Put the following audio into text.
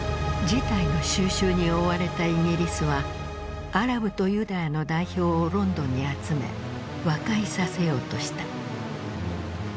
事態の収拾に追われたイギリスはアラブとユダヤの代表をロンドンに集め和解させようとした。